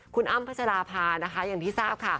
คุณอ้ำพัชราภาอย่างที่ทราบ